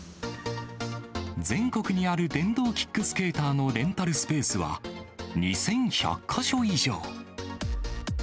全国にある電動キックスケーターのレンタルスペースは、２１００か所以上。